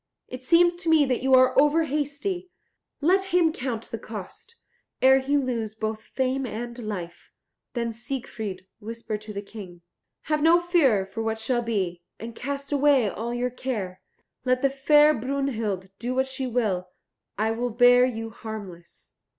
It seems to me that you are over hasty; let him count the cost, ere he lose both fame and life." Then Siegfried whispered to the King, "Have no fear for what shall be, and cast away all your care. Let the fair Brunhild do what she will, I will bear you harmless."